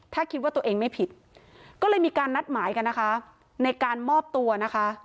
ถ้าคิดว่าตัวเองไม่ผิดก็เลยมีการนัดหมายกันนะคะในการมอบตัวนะคะ